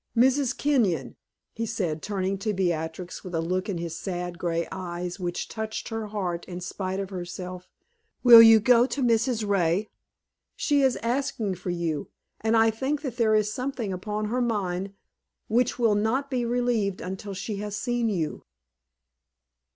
"Mrs. Kenyon," he said, turning to Beatrix with a look in his sad, gray eyes which touched her heart in spite of herself, "will you go to Mrs. Ray? She is asking for you, and I think that there is something upon her mind which will not be relieved until she has seen you."